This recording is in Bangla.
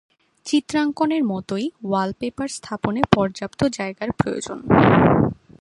চিত্রাঙ্কনের মতই, ওয়ালপেপার স্থাপনে পর্যাপ্ত জায়গার প্রয়োজন।